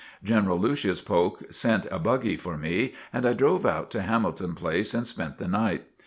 General Lucius Polk sent a buggy for me and I drove out to Hamilton Place and spent the night.